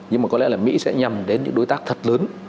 nhưng mà có lẽ là mỹ sẽ nhằm đến những đối tác thật lớn